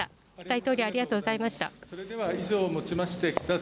大統領、ありがとうございました。